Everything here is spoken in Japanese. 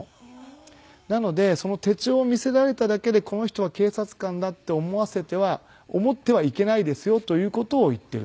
なのでその手帳を見せられただけでこの人は警察官だって思わせては思ってはいけないですよという事を言っているんですね。